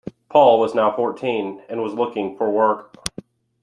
Paul was now fourteen, and was looking for work.